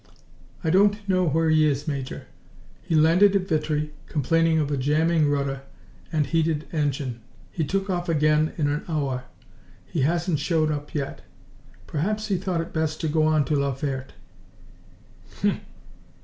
"I don't know where he is, Major. He landed at Vitry, complaining of a jamming rudder and heating engine. He took off again in an hour. He hasn't showed up yet. Perhaps he thought it best to go on to La Ferte." "Humph!"